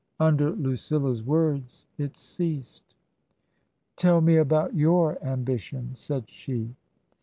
Undei* Lucilla's words it ceased. "Tell me about your ambition," said she.